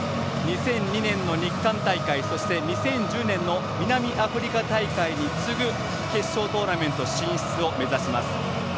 ２００２年の日韓大会そして、２０１０年の南アフリカ大会に次ぐ決勝トーナメント進出を目指します。